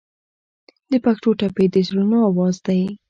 د پښتو ټپې د زړونو اواز دی.